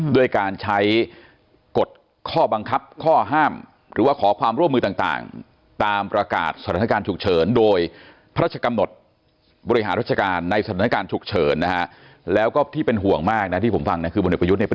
ด้วยการใช้กฎข้อบังคับ